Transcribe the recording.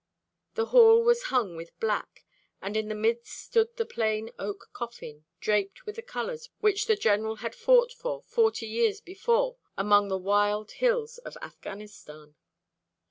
The hall was hung with black, and in the midst stood the plain oak coffin, draped with the colours which the General had fought for forty years before among the wild hills of Afghanistan.